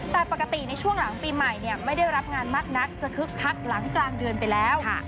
แต่ปกติในช่วงหลังปีใหม่เนี่ยไม่ได้รับงานมากนักจะคึกคักหลังกลางเดือนไปแล้ว